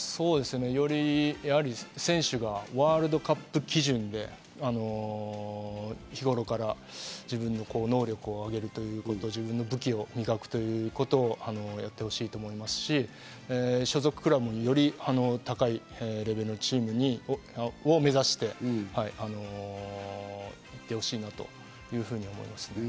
より選手がワールドカップ基準で日頃から自分の能力を上げるということ、自分の武器を磨くということをやってほしいと思いますし、所属クラブもより高いレベルのチームを目指していってほしいなというふうに思いますね。